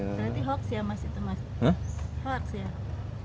berarti hoax ya mas itu mas